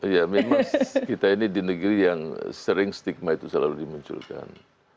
ya memang kita ini di negeri yang sering stigma itu selalu dimunculkan